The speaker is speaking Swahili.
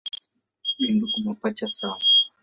Ni ndugu mapacha sawa.